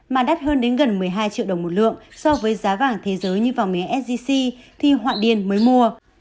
mà đắt hơn đến gần một mươi hai triệu đồng một lượng so với giá vàng thế giới như vòng miếng sgc thì họa điên mới mua